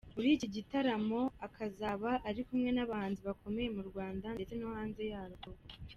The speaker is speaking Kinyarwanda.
Muri iki gitaramoakazaba ari kumwe n’abahanzi bakomeye mu Rwanda ndetse no hanze yarwo.